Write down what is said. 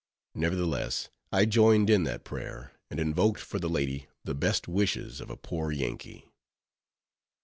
Nevertheless, I joined in that prayer, and invoked for the lady the best wishes of a poor Yankee.